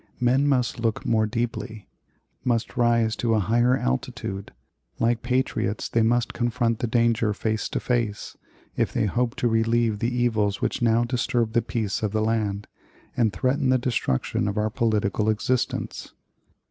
Men must look more deeply, must rise to a higher altitude; like patriots they must confront the danger face to face, if they hope to relieve the evils which now disturb the peace of the land, and threaten the destruction of our political existence.